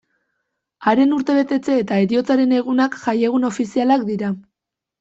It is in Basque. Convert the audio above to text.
Haren urtebetetze eta heriotzaren egunak jaiegun ofizialak dira.